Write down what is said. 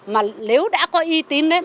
mà nếu đã có y tín ấy